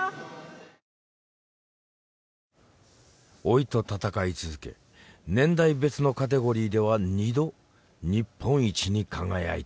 老いと闘い続け年代別のカテゴリーでは２度日本一に輝いた。